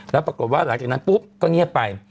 แล้วปรากฏว่าหลังจากนั้นปุ๊บก็เงียบไป